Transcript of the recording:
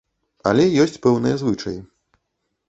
Але ёсць пэўныя звычаі.